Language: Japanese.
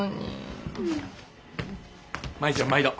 舞ちゃん毎度。